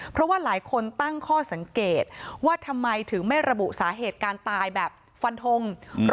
เพราะว่าหลายคนตั้งข้อสังเกตว่าทำไมถึงไม่ระบุสาเหตุการตายแบบฟันทง